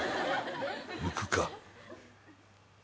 「抜くか」